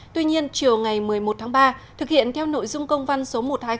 tuy nhiên chiều ngày một mươi một tháng ba thực hiện theo nội dung công văn số một nghìn hai trăm linh bốn